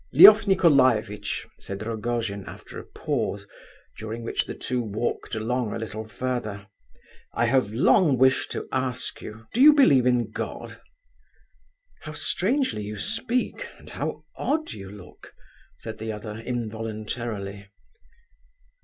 "Lef Nicolaievitch," said Rogojin, after a pause, during which the two walked along a little further, "I have long wished to ask you, do you believe in God?" "How strangely you speak, and how odd you look!" said the other, involuntarily.